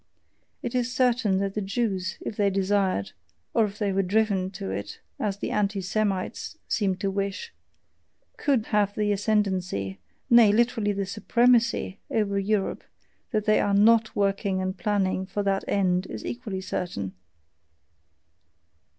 It is certain that the Jews, if they desired or if they were driven to it, as the anti Semites seem to wish COULD now have the ascendancy, nay, literally the supremacy, over Europe, that they are NOT working and planning for that end is equally certain.